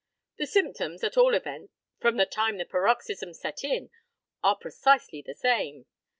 The symptoms, at all events, from the time the paroxysms set in, are precisely the same.